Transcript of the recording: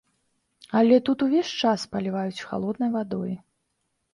Але тут увесь час паліваюць халоднай вадой.